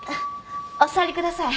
お座りください。